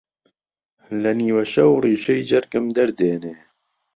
لە نیوە شەو ڕیشەی جەرگم دەردێنێ